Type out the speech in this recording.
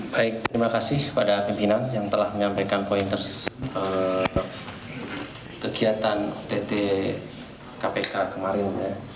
baik terima kasih pada pimpinan yang telah menyampaikan poin kegiatan ott kpk kemarin